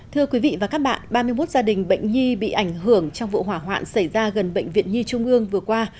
thưa quý vị và các bạn ba mươi một gia đình bệnh nhi bị ảnh hưởng trong vụ hỏa hoạn xảy ra gần bệnh viện nhi trung ương vừa qua